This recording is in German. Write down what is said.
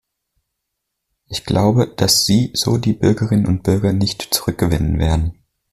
Ich glaube, dass Sie so die Bürgerinnen und Bürger nicht zurückgewinnen werden.